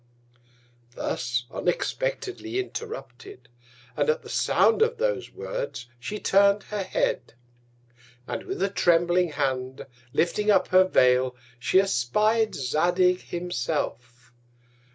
Thus unexpectedly interrupted, and at the Sound of those Words, she turn'd her Head; and with a trembling Hand, lifting up her Vail, she espy'd Zadig himself.